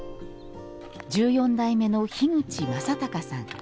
１４代目の樋口昌孝さん。